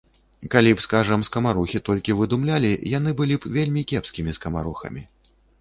Калі б, скажам, скамарохі толькі выдумлялі, яны былі б вельмі кепскімі скамарохамі.